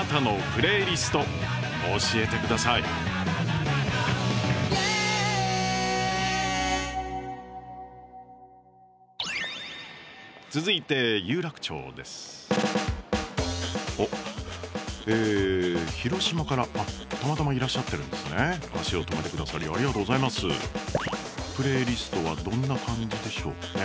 プレイリストはどんな感じでしょうかね？